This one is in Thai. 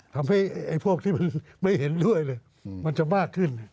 ทำให้ที่ไม่เห็นด้วยมันจะมากขึ้น